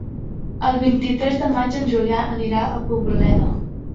El vint-i-tres de maig en Julià anirà a Poboleda.